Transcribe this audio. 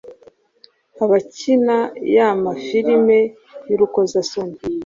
abakina ya mafilimi y’urukozasoni